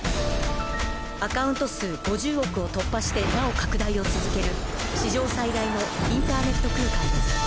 アカウント数５０億を突破してなお拡大を続ける史上最大のインターネット空間です。